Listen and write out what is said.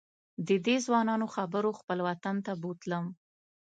ددې ځوانانو خبرو خپل وطن ته بوتلم.